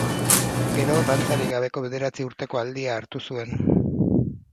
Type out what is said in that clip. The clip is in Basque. Gero, dantzarik gabeko bederatzi urteko aldia hartu zuen.